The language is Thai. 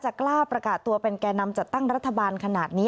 กล้าประกาศตัวเป็นแก่นำจัดตั้งรัฐบาลขนาดนี้